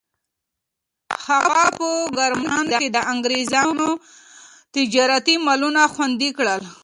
هغه په کرمان کې د انګریزانو تجارتي مالونه خوندي کړل.